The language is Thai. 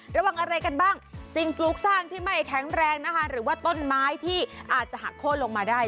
ระวังอะไรกันบ้างสิ่งปลูกสร้างที่ไม่แข็งแรงนะคะหรือว่าต้นไม้ที่อาจจะหักโค้นลงมาได้